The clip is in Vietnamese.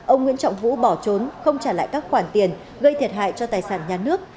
ông nguyễn trọng vũ bỏ trốn không trả lại các khoản tiền gây thiệt hại cho tài sản nhà nước